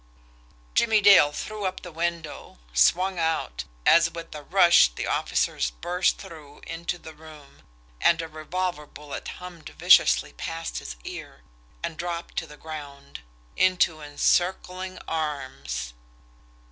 Jimmie Dale threw up the window, swung out, as with a rush the officers burst through into the room and a revolver bullet hummed viciously past his ear, and dropped to the ground into encircling arms!